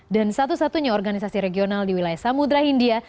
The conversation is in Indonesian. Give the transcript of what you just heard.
dan satu satunya organisasi regional di wilayah samudera